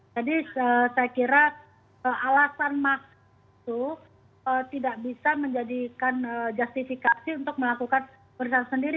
jadi saya kira alasan maks itu tidak bisa menjadikan justifikasi untuk melakukan perusahaan sendiri